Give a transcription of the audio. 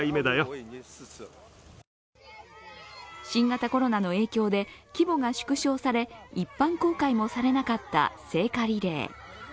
新型コロナの影響で規模が縮小され、一般公開もされなかった聖火リレー。